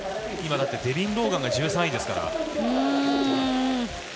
今だってデビン・ローガン１３位ですから。